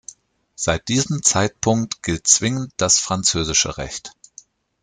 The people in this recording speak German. Seit diesem Zeitpunkt gilt zwingend das französische Recht.